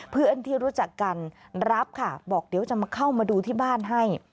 เพื่อนที่รู้จักกันรับค่ะบอกเดี๋ยวจะมาเข้ามาดูที่บ้านให้